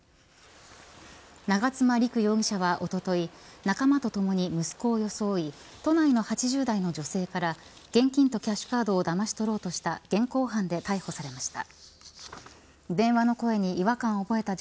長妻莉玖容疑者はおととい仲間と共に息子を装い都内の８０代の女性から現金とキャッシュカードをだまし取ろうとした現行犯で逮捕されました。